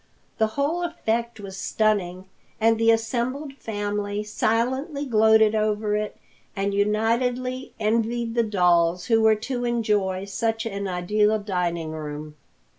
The whole effect was stunning, and the assembled family silently gloated over it and unitedly envied the dolls who were to enjoy such an ideal dining room.